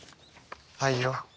はいよ。